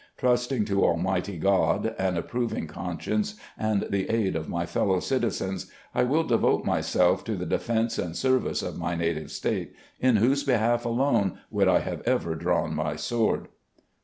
" Trusting to Almighty God, an approving conscience, and the aid of my fellow citizens, I will devote myself to the defense and service of my native State, in whose behalf alone would I have ever drawn my sword."